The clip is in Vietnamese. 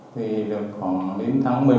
thì được khoảng đến tháng một mươi một